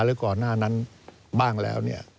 หรือก่อนหน้านั้นบ้างแล้วเนี่ย